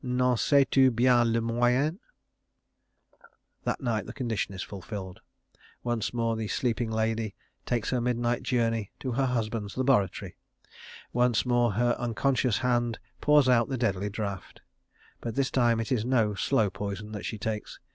"N'en sais tu bien le moyen?" That night the condition is fulfilled. Once more the sleeping lady takes her midnight journey to her husband's laboratory. Once more her unconscious hand pours out the deadly draught. But this time it is no slow poison that she takes.